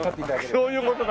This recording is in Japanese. そういう事か。